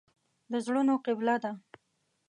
د زړونو قبله ده.